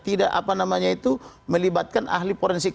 tidak melibatkan ahli forensik